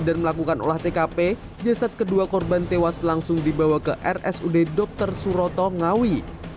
dan melakukan olah tkp jasad kedua korban tewas langsung dibawa ke rsud dr suroto ngawi